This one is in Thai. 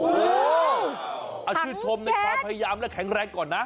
ขังแก้อาชีพชมนะคะพยายามได้แข็งแรงก่อนนะ